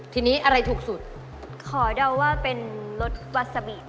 ทีนี้อะไรถูกสุดขอเดาว่าเป็นรสวัสบิ